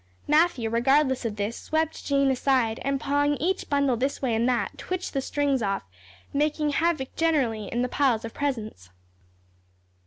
Matthew, regardless of this, swept Jane aside, and pawing each bundle this way and that, twitched the strings off, making havoc generally in the piles of presents.